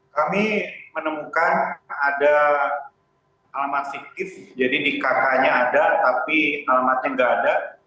kami menemukan ada alamat siktif jadi di kk nya ada tapi alamatnya nggak ada